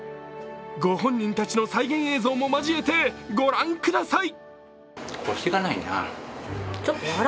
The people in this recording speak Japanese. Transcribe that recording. ご本人たちの再現映像も交えて御覧ください。